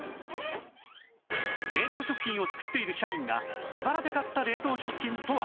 冷凍食品を作っている社員が自腹で買った冷凍食品とは？